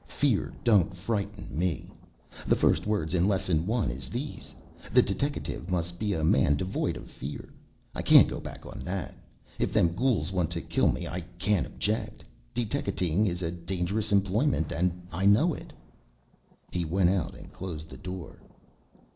Fear don't frighten me. The first words in Lesson One is these: 'The deteckative must be a man devoid of fear.' I can't go back on that. If them gools want to kill me, I can't object. Deteckating is a dangerous employment, and I know it." He went out and closed the door.